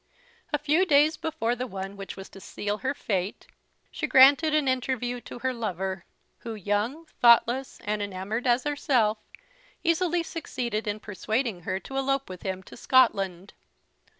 A few days before the one which was to seal her fate she granted an interview to her lover, who, young, thoughtless, and enamoured as herself, easily succeeded in persuading her to elope with him to Scotland.